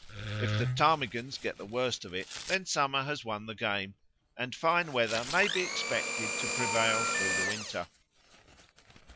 If the ptarmigans get the worst of it, then summer has won the game and fine weather may be expected to prevail through the winter.